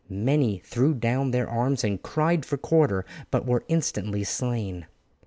Many threw down their arms and cried for quarter, but were instantly slain.